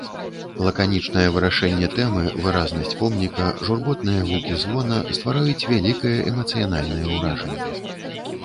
Лаканічнае вырашэнне тэмы, выразнасць помніка, журботныя гукі звона ствараюць вялікае эмацыянальнае ўражанне.